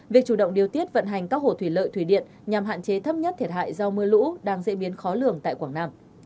việc chủ động điều tiết vận hành các hồ thủy lợi thủy điện nhằm hạn chế thấp nhất thiệt hại do mưa lũ đang diễn biến khó lường tại quảng nam